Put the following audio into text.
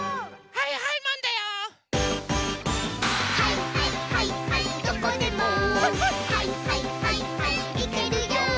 「はいはいはいはいマン」